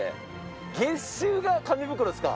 月収が紙袋ですか？